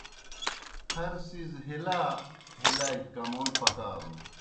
ہر څِیز ہِلا ہِلا گیْ کمون پکارُن۔